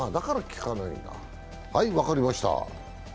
はい、分かりました。